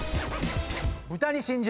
豚に真珠。